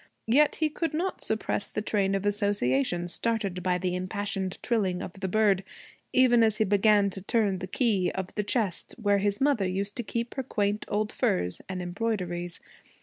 Yet he could not suppress the train of association started by the impassioned trilling of the bird, even as he began to turn the key of the chest where his mother used to keep her quaint old furs and embroideries.